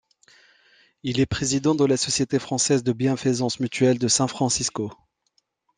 Il est président de la Société française de bienfaisance mutuelle de San Francisco.